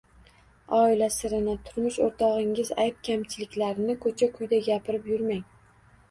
Oila sirini, turmush o‘rtog‘ingiz ayb-kamchiliklarini ko‘cha-ko‘yda gapirib yurmang.